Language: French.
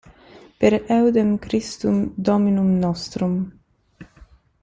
Per eúndem Christum Dóminum nostrum.